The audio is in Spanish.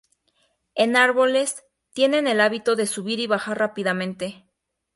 En árboles, tienen el hábito de subir y bajar rápidamente.